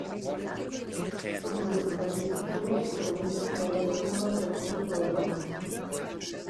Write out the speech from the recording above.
Позната продавницата која Епл прва ќе ја отвори во Европа